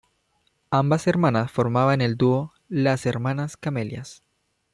Ambas hermanas formaban el dúo "Las Hermanas Camelias".